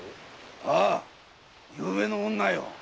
ああ夕べの女よ。